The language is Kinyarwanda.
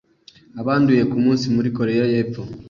Abanduye ku munsi muri Koreya y'Epfo